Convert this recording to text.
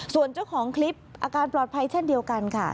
ส่วนเจ้าของคลิปอาการปลอดภัยเช่นเดียวกันค่ะ